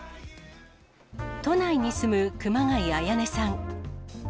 都内に住む熊谷文音さん。